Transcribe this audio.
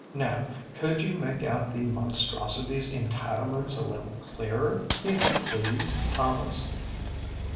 Now, could you make out the monstrosityŌĆÖs entitlements a little clearer, if you please, Thomas?